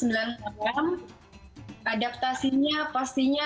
dan adaptasinya pastinya